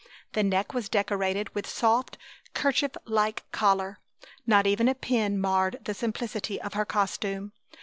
The neck was decorated with a soft 'kerchief like collar. Not even a pin marred the simplicity of her costume.